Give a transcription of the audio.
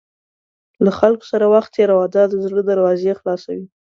له خلکو سره وخت تېروه، دا د زړه دروازې خلاصوي.